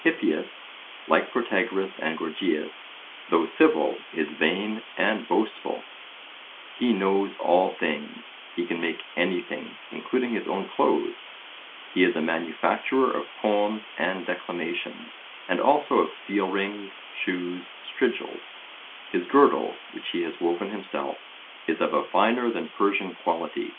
Hippias, like Protagoras and Gorgias, though civil, is vain and boastful: he knows all things; he can make anything, including his own clothes; he is a manufacturer of poems and declamations, and also of seal rings, shoes, strigils; his girdle, which he has woven himself, is of a finer than Persian quality.